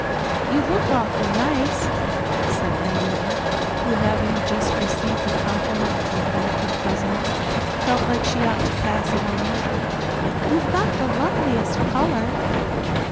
"You look awfully nice," said Diana, who having just received a compliment from one of her cousins, felt that she ought to pass it on. "You've got the loveliest color."